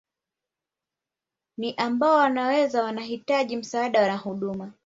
Ni ambao wanaweza wanahitaji msaada na huduma